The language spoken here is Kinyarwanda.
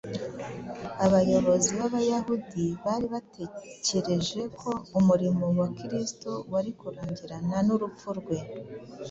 Abayobozi b’Abayahudi bari baratekereje ko umurimo wa Kristo wari kurangirana n’urupfu rwe;